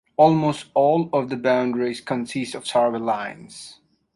Almost all of the boundaries consist of survey lines.